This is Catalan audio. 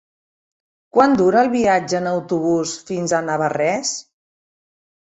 Quant dura el viatge en autobús fins a Navarrés?